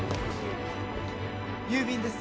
郵便です。